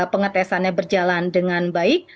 pengetesannya berjalan dengan baik